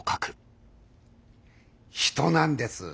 人なんです。